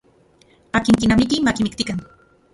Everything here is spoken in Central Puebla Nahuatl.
Akin kinamiki makimiktikan.